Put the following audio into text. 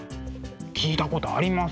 聞いたことあります。